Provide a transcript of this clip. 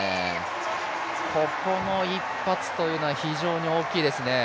ここも一発というのは非常に大きいですね。